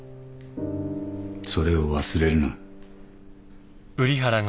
それを忘れるな。